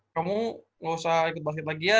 kamu gak usah ikut basket lagi ya